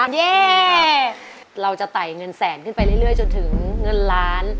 เย่เราจะไต่เงินแสนขึ้นไปเรื่อยจนถึงเงินล้าน